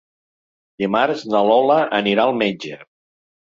Dimarts na Lola anirà al metge.